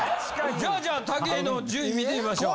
じゃあじゃあ武井の順位見てみましょう。